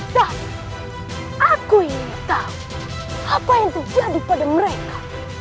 dah aku ingin tahu apa yang terjadi pada mereka